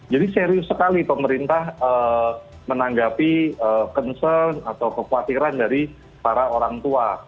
jadi serius sekali pemerintah menanggapi concern atau kekhawatiran dari para orang tua